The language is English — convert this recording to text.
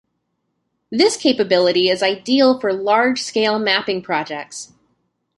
This capability is ideal for large-scale mapping projects.